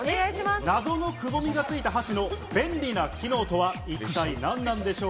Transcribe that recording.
謎のくぼみがついた箸の便利な機能とは一体なんでしょう？